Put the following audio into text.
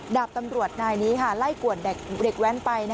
ดาบตำรวจนายนี้ไล่กวดเด็กแว้นไป